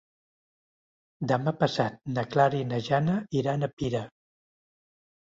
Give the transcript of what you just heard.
Demà passat na Clara i na Jana iran a Pira.